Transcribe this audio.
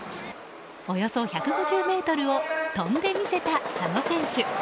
およそ１５０ｍを飛んでみせた佐野選手。